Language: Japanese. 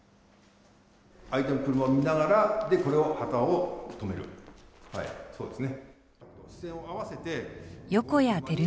車を見ながら、これを、旗を止める。